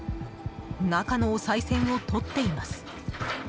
中のおさい銭を取っています。